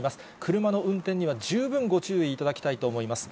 車の運転には十分ご注意いただきたいと思います。